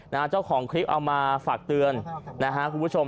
เจ้าของคลิปเอามาฝากเตือนนะฮะคุณผู้ชม